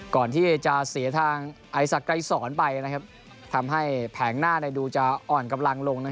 ก่อนที่จะเสียทางไอศกรายศรไปนะครับทำให้แผงหน้าในดูจะอ่อนกำลังลงนะครับ